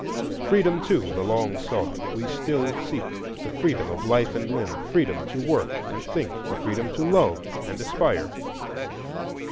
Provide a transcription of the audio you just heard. Freedom, too, the long sought, we still seek,—the freedom of life and limb, the freedom to work and think, the freedom to love and aspire.